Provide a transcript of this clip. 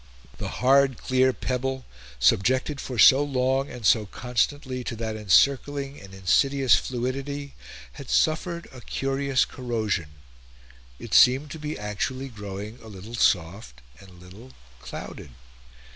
The hard clear pebble, subjected for so long and so constantly to that encircling and insidious fluidity, had suffered a curious corrosion; it seemed to be actually growing a little soft and a little clouded.